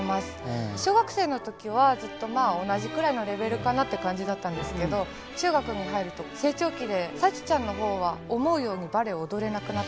小学生の時はずっとまあ同じくらいのレベルかなって感じだったんですけど中学に入ると成長期でサチちゃんのほうは思うようにバレエを踊れなくなっていって。